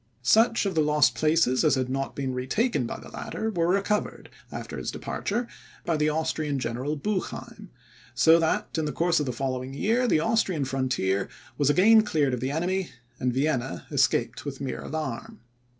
Such of the lost places as had not been retaken by the latter, were recovered, after his departure, by the Austrian General Bucheim; so that, in the course of the following year, the Austrian frontier was again cleared of the enemy, and Vienna escaped with mere alarm.